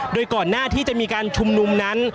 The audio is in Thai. โดยก่อนหน้าที่จะมีการชุมนุมนั้น